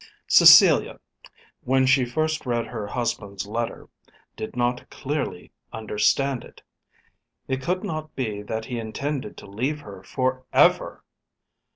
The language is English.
Cecilia, when she first read her husband's letter, did not clearly understand it. It could not be that he intended to leave her for ever!